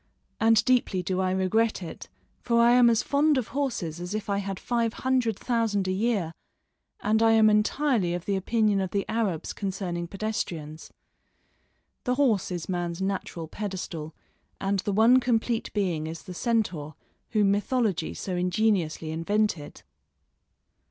and deeply do I regret it, for I am as fond of horses as if I had five hundred thousand a year, and I am entirely of the opinion of the Arabs concerning pedestrians. The horse is man's natural pedestal, and the one complete being is the centaur, whom mythology so ingeniously invented.